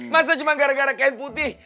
masa cuma gara gara kain putih